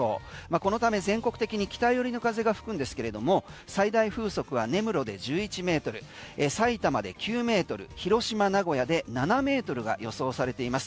このため全国的に北寄りの風が吹くんですけれども最大風速は根室で１１ｍさいたまで９ｍ広島、名古屋で７ｍが予想されています。